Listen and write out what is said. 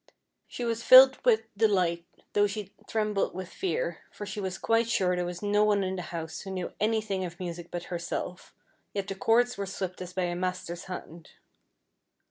She was filled with delight though she trembled with fear, for she was quite sure there was no one in the house who knew any thing of music but herself, yet the chords were swept as by a master's hand.